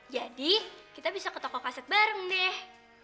jadi kita bisa ke toko kaset bareng deh